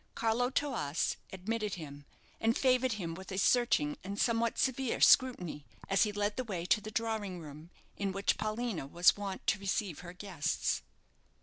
Carlo Toas admitted him, and favoured him with a searching and somewhat severe scrutiny, as he led the way to the drawing room in which Paulina was wont to receive her guests.